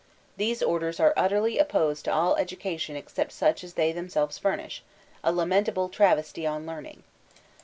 These orders are utterly of^sed to all education except such as they themselves furnish— a lamentable travesty on learning.